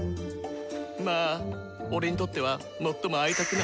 まあ俺にとっては最も会いたくな。